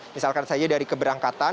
misalkan saja dari keberangkatan